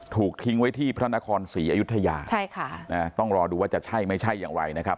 ถูกทิ้งไว้ที่พระนครศรีอยุธยาใช่ค่ะนะต้องรอดูว่าจะใช่ไม่ใช่อย่างไรนะครับ